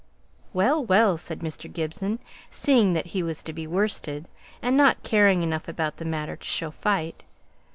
"Well, well!" said Mr. Gibson, seeing that he was to be worsted, and not caring enough about the matter to show fight.